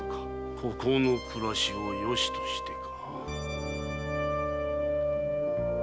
孤高の暮らしをよしとしてか。